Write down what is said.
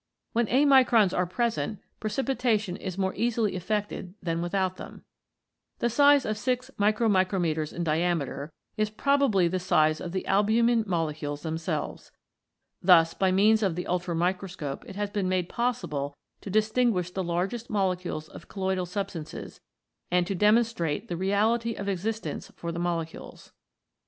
When amicrons are present, precipita tion is more easily effected than without them. The size of 6 /*/* in diameter is probably the size of the albumin molecules themselves. Thus by means of the ultramicroscope it has been made possible to distinguish the largest molecules of colloidal substances and to demonstrate the reality of existence for the molecules.